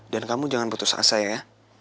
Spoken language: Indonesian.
kamu jangan putus asa ya